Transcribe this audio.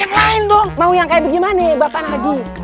yang lain dong mau yang kayak gimana bapak narji